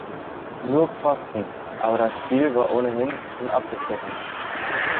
Nur Pfosten, aber das Spiel war ohnehin schon abgepfiffen.